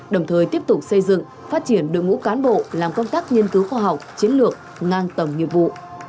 đồng thời tiếp tục xây dựng phát triển đội ngũ cán bộ làm công tác nghiên cứu khoa học chiến lược ngang tầm nhiệm vụ